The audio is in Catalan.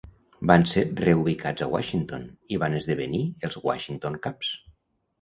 Van ser reubicats a Washington i van esdevenir els Washington Caps.